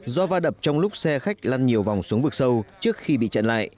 do va đập trong lúc xe khách lăn nhiều vòng xuống vực sâu trước khi bị chặn lại